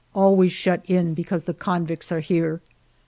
Always shut in because the convicts are here.